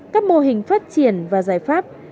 các mô hình phát triển và giải pháp